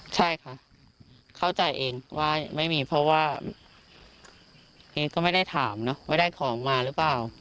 ใช่ค่ะเข้าใจเองว่าไม่มีเพราะว่าเอ๊ก็ไม่ได้ถามนะว่าได้ของมาหรือเปล่า